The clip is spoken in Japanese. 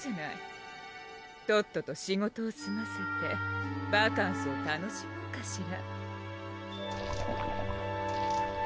とっとと仕事をすませてバカンスを楽しもうかしら